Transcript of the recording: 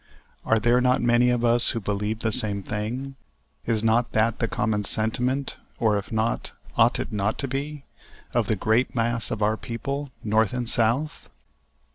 Are there not many of us who believe the same thing? Is not that the common sentiment, or if not, ought it not to be, of the great mass of our people, North and South?